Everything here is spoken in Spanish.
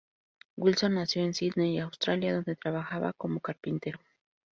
Wilson nació en Sídney, Australia, donde trabajaba como carpintero.